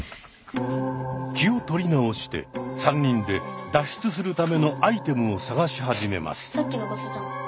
気を取り直して３人で脱出するためのアイテムを探し始めます。